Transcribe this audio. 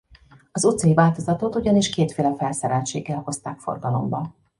Az utcai változatot ugyanis kétféle felszereltséggel hozták forgalomba.